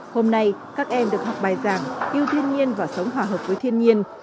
hôm nay các em được học bài giảng yêu thiên nhiên và sống hòa hợp với thiên nhiên